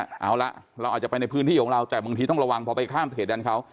เอาละเราอาจจะไปในพื้นที่ของเราแต่บางทีต้องระวังพอไปข้ามเขตแดนเขา